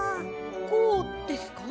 こうですか？